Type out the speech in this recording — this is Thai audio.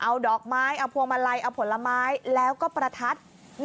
เอาดอกไม้เอาพวงมาลัยเอาผลไม้แล้วก็ประทัด